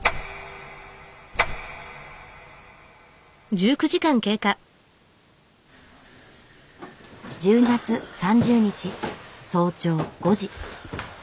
１２月３０日早朝５時。